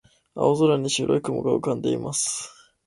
青空に白い雲が浮かんでいます。